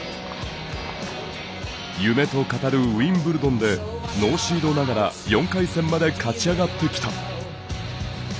夢と語るウィンブルドンでノーシードながら４回戦まで勝ち上がってきた。